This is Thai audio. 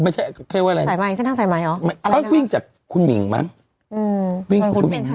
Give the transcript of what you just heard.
ไม่ใช่เขาเรียกว่าอะไรสายไม้เส้นทางสายไม้อ๋อไม่อ๋อเขาวิ่งจากคุณหมิงมาอืม